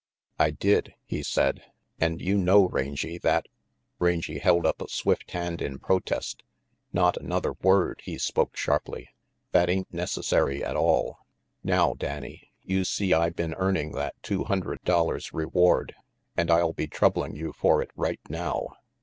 "I did," he said, "and you know, Rangy, that Rangy held up a swift hand in protest. "Not another word," he spoke sharply. "That ain't necessary at all. Now, Danny, you see I been earning that two hundred dollars reward, and I'll be troubling you for it right now."